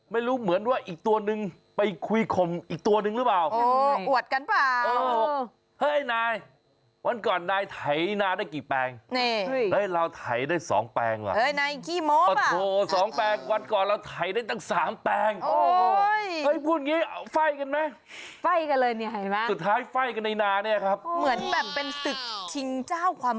ไม่รู้เหมือนว่าอีกตัวนึงไปคุยข่มอีกตัวนึงหรือเปล่า